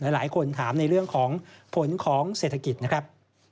หลายคนถามในเรื่องของผลของเศรษฐกิจนะครับ